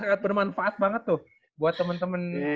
sangat bermanfaat banget tuh buat temen temen